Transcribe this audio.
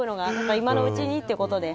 今のうちにということで。